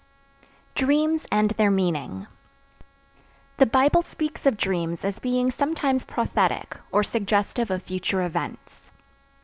DREAMS AND THEIR MEANING The Bible speaks of dreams as being sometimes prophetic, or suggestive of future events.